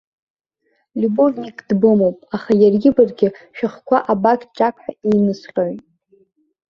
Лиубовникк дбымоуп, аха иаргьы-баргьы шәыхқәа абақ-чақҳәа еинысҟьоит.